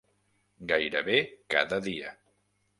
Gairebé cada dia.